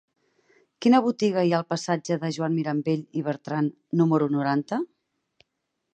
Quina botiga hi ha al passatge de Joan Mirambell i Bertran número noranta?